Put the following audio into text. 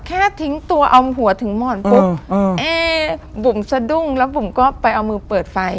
แค่ทิ้งตัวเอาหัวถึงหมอนปุ๊บเอ๊บุ๋มสะดุ้งแล้วบุ๋มก็ไปเอามือเปิดไฟ